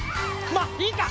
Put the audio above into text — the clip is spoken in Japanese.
まっいいか！